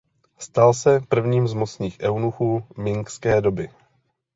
Stal se prvním z mocných eunuchů mingské doby.